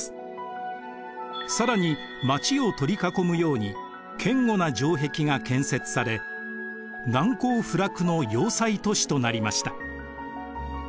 更に街を取り囲むように堅固な城壁が建設され難攻不落の要塞都市となりました。